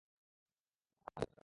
আমি কনসার্টে যাচ্ছি।